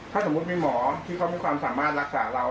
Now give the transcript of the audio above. ถ้าสมมุติมีหมอที่เขามีความสามารถรักษาเรา